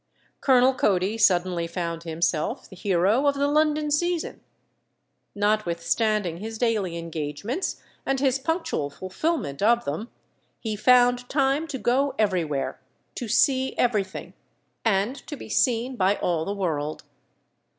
Colonel Cody suddenly found himself the hero of the London season. Notwithstanding his daily engagements and his punctual fulfillment of them, he found time to go everywhere, to see everything, and to be seen by all the world.